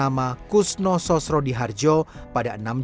dan pada akhirnya mereka bisa menjadi orang orang yang berpengalaman